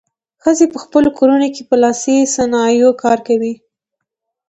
ښځې په خپلو کورونو کې په لاسي صنایعو کار کوي.